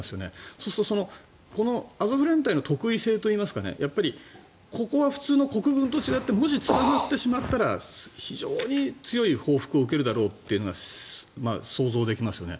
そうするとアゾフ連隊の特異性といいますかここは普通の国軍と違ってもし捕まってしまったら非常に強い報復を受けるだろうというのが想像できますよね。